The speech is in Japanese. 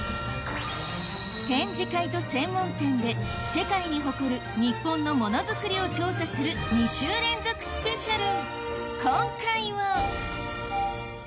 展示会と専門店で世界に誇る日本のモノづくりを調査する２週連続スペシャル